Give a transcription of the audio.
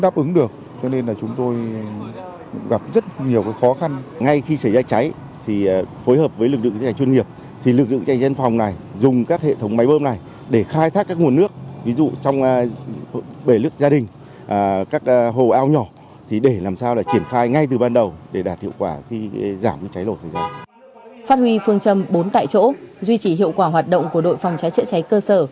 phát huy phương châm bốn tại chỗ duy trì hiệu quả hoạt động của đội phòng cháy chữa cháy cơ sở